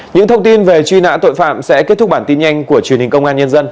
những thông tin về truy nã tội phạm sẽ kết thúc bản tin nhanh của truyền hình công an nhân dân